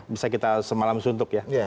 bisa kita semalam suntuk ya